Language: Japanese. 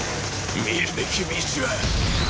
見るべき道は